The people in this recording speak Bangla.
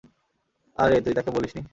আরে, তুই তাকে বলিস নি?